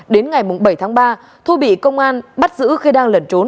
đến ngày bảy tháng ba thu bị công an bắt giữ khi đang lẩn trốn